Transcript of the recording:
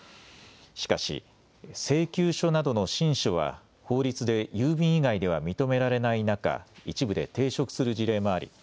しかし請求書などの信書は法律で郵便以外では認められない中、一部で抵触する事例もあり